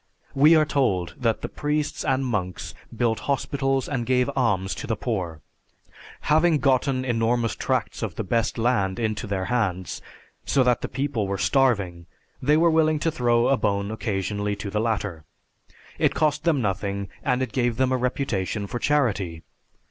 _ We are told that the priests and monks built hospitals and gave alms to the poor. Having gotten enormous tracts of the best land into their hands, so that the people were starving, they were willing to throw a bone occasionally to the latter. It cost them nothing and it gave them a reputation for charity.